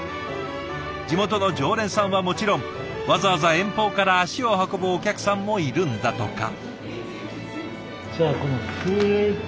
地元の常連さんはもちろんわざわざ遠方から足を運ぶお客さんもいるんだとか。